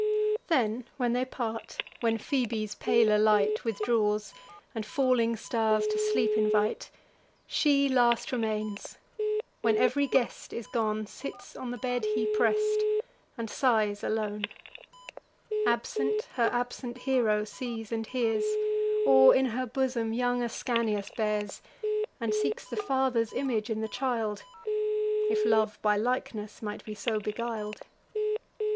Then, when they part, when Phoebe's paler light Withdraws, and falling stars to sleep invite, She last remains, when ev'ry guest is gone, Sits on the bed he press'd, and sighs alone; Absent, her absent hero sees and hears; Or in her bosom young Ascanius bears, And seeks the father's image in the child, If love by likeness might be so beguil'd.